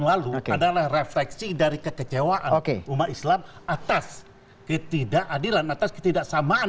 lalu adalah refleksi dari kekecewaan umat islam atas ketidakadilan atas ketidaksamaan